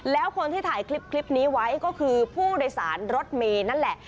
แล้วคนที่ถ่ายคลิปนี้ไว้ก็คือผู้โดยสารรถเมย์นั่นแหละ